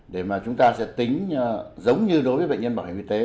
để mà chúng ta sẽ tính giống như đối với bệnh nhân bảo hiểm y tế